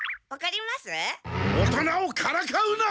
大人をからかうな！